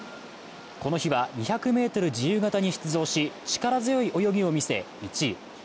この日は２００ｍ自由形に出場し、力強い泳ぎを見せ１位。